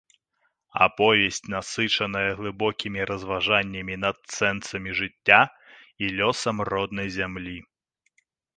Аповесць насычаная глыбокімі разважаннямі над сэнсам жыцця і лёсам роднай зямлі.